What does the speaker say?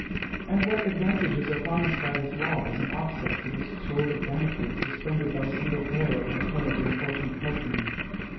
And what advantages are promised by this law as an offset to this sword of Damocles, suspended by a single hair over the head of the unfortunate husbandman?